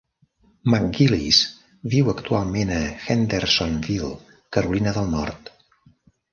McGillis viu actualment a Hendersonville, Carolina del Nord.